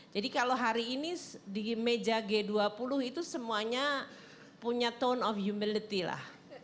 jadi kalau hari ini di meja g dua puluh itu semuanya punya tone of humility lah